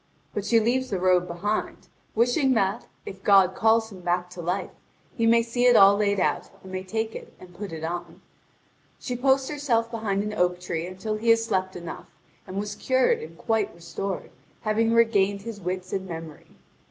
But she leaves the robe behind, wishing that, if God calls him back to life, he may see it all laid out, and may take it and put it on. She posts herself behind an oak tree until he had slept enough, and was cured and quite restored, having regained his wits and memory.